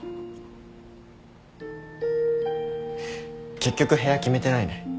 結局部屋決めてないね。